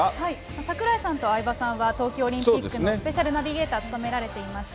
櫻井さんと相葉さんは東京オリンピックのスペシャルナビゲーターを務められていまして、